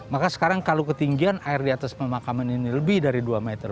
maka sekarang kalau ketinggian air di atas pemakaman ini lebih dari dua meter